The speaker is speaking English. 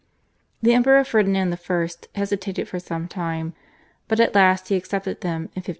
The Emperor Ferdinand I. hesitated for some time, but at last he accepted them in 1566.